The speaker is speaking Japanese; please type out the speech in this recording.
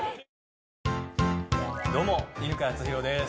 どうも、犬飼貴丈です！